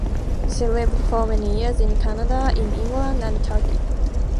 She lived for many years in Canada, in England, and in Turkey.